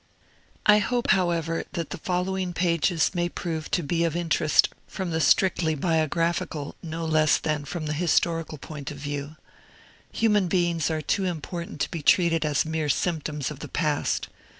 I hope, however, that the following pages may prove to be of interest from the strictly biographical, no less than from the historical point of view. Human beings are too important to be treated as mere symptoms of the past.